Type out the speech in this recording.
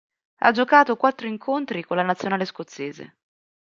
Ha giocato quattro incontri con la nazionale scozzese.